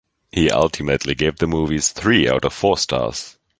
He ultimately gave the movie three out of four stars.